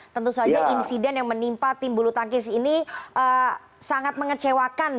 tentu saja insiden yang menimpa tim bulu tangkis ini sangat mengecewakan